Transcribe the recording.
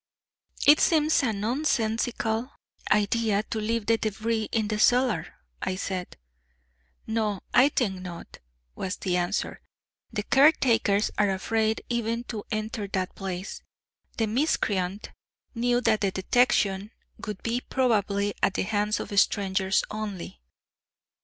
"It seems a nonsensical idea to leave the débris in the cellar," I said. "No, I think not," was the answer. "The care takers are afraid even to enter that place. The miscreant knew that detection would be probable at the hands of strangers only."